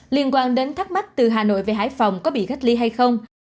liên quan đến thắc mắc từ hà nội về hải phòng có bị cách ly hay không